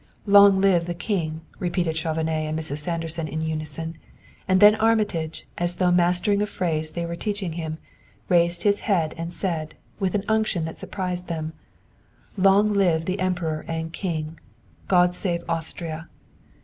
"Long live the King!" repeated Chauvenet and Mrs. Sanderson, in unison; and then Armitage, as though mastering a phrase they were teaching him, raised his head and said, with an unction that surprised them, "Long live the Emperor and King! God save Austria!"